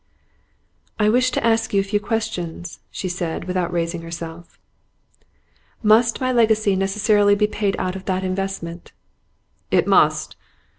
'I wish to ask you a few questions,' she said, without raising herself. 'Must my legacy necessarily be paid out of that investment?' 'It must.